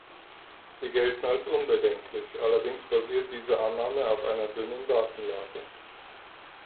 Sie gelten als unbedenklich, allerdings basiert diese Annahme auf einer dünnen Datenlage.